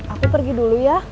aku pergi dulu ya